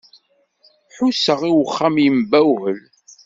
Ḥusseɣ i uxxam yembawel.